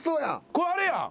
これあれやん。